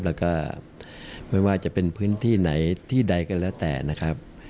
แล้วก็ไม่ว่าจะเป็นพื้นที่ไหนที่ใดก็แล้วแต่นะครับ